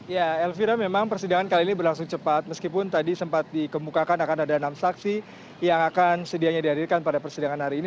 ya elvira memang persidangan kali ini berlangsung cepat meskipun tadi sempat dikemukakan akan ada enam saksi yang akan sedianya dihadirkan pada persidangan hari ini